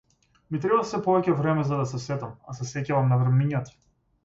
Ми треба сѐ повеќе време за да се сетам, а се сеќавам на времињата.